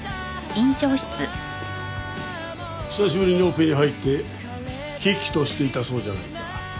久しぶりにオペに入って喜々としていたそうじゃないか。